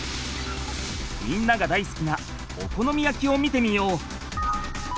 みんながだいすきなお好み焼きを見てみよう！